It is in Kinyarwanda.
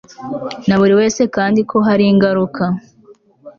na buri wese kandi ko hari ingaruka